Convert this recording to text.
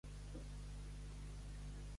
I què és el que ha animat a fer?